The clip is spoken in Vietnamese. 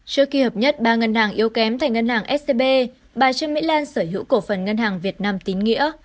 trước khi hợp nhất ba ngân hàng yếu kém tại ngân hàng scb bà trương mỹ lan sở hữu cổ phần ngân hàng việt nam tín nghĩa